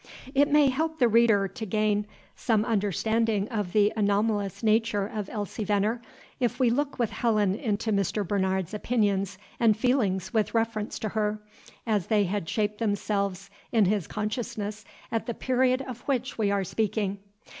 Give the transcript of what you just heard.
It may help the reader to gain some understanding of the anomalous nature of Elsie Veneer, if we look with Helen into Mr. Bernard's opinions and feelings with reference to her, as they had shaped themselves in his consciousness at the period of which we are speaking.